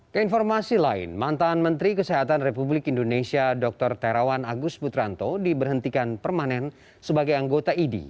keinformasi lain mantan menteri kesehatan republik indonesia dr terawan agus putranto diberhentikan permanen sebagai anggota idi